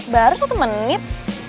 baru satu menit